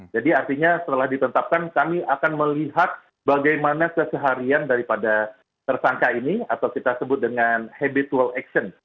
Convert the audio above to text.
jadi artinya setelah ditetapkan kami akan melihat bagaimana keseharian daripada tersangka ini atau kita sebut dengan habitual action